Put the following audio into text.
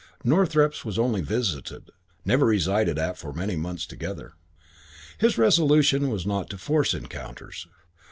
Northrepps was only visited, never resided at for many months together. His resolution was not to force encounters.